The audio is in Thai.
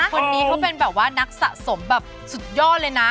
คนนี้เขาเป็นแบบว่านักสะสมแบบสุดยอดเลยนะ